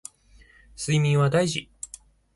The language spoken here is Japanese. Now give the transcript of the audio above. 睡眠は大事